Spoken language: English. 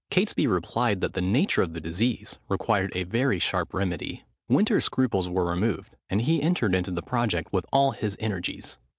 Catesby replied, that the nature of the disease required a very sharp remedy. Winter's scruples were removed, and he entered into the project with all his energies.